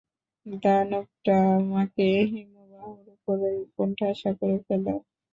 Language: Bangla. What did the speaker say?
দানবটা মাকে হিমবাহের উপর কোণঠাসা করে ফেলল।